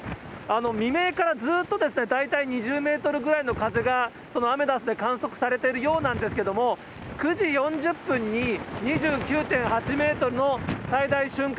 未明からずっと大体２０メートルぐらいの風がそのアメダスで観測されてるようなんですけれども、９時４０分に２９．８メートルの最大瞬間